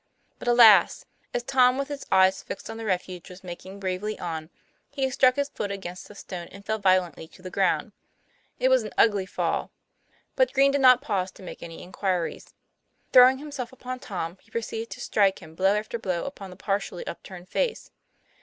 But alas! as Tom with his eyes fixed on the refuge was making bravely on, he struck his foot against a stone and fell violently to the ground. It was an ugly fall. But Green did not pause to make any in quiries. Throwing himself upon Tom, he proceeded to strike him blow after blow upon the partially up turned face.